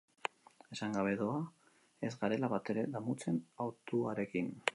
Esan gabe doa ez garela batere damutzen hautuarekin.